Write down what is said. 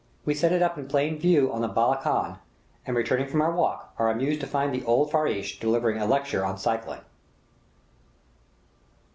We set it up in plain view on the bala khana, and returning from our walk, are amused to find the old farrash delivering a lecture on cycling.